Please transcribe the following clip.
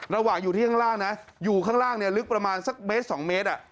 ระหว่างอยู่ที่ข้างล่างนะอยู่ข้างล่างเนี่ยลึกประมาณสักเมตร๒เมตร